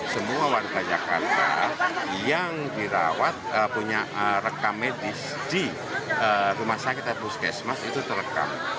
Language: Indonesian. semua warga jakarta yang dirawat punya rekam medis di rumah sakit dan puskesmas itu terekam